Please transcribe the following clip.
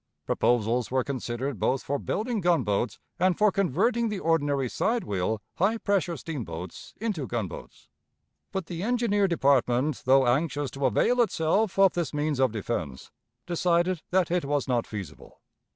Proposals were considered both for building gunboats and for converting the ordinary side wheel, high pressure steamboats into gunboats. But the engineer department, though anxious to avail itself of this means of defense, decided that it was not feasible.